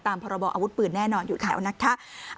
ตามพบอาวุธปืนแน่นอนอยู่แถวนะคะ